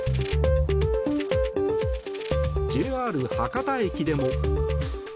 ＪＲ博多駅でも。